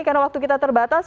karena waktu kita terbatas